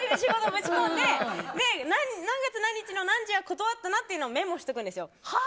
何月何日の何時に断ったなというのはメモしとくんです。